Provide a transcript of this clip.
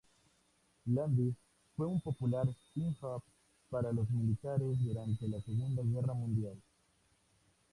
Landis fue una popular pin-up para los militares durante la Segunda Guerra Mundial.